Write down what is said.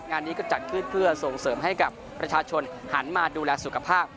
งานนี้ก็จัดขึ้นเพื่อส่งเสริมให้กับประชาชนหันมาดูแลสุขภาพ